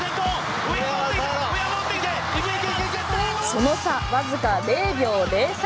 その差わずか０秒０３。